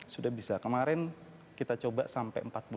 sudah bisa kemarin kita coba sampai empat puluh km per jam